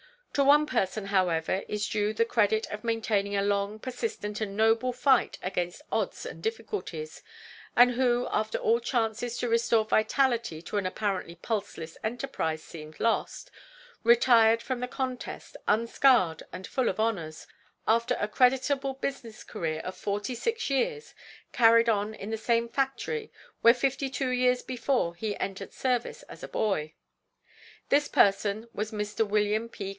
To one person, however, is due the credit of maintaining a long, persistent and noble fight against odds and difficulties, and who, after all chances to restore vitality to an apparently pulseless enterprise seemed lost, retired from the contest, unscarred and full of honors, after a creditable business career of forty six years, carried on in the same factory where fifty two years before he entered service as a boy. This person was Mr. Wm. P.